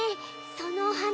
そのお花